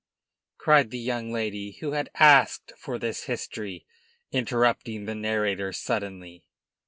cried the young lady who had asked for this history, interrupting the narrator suddenly.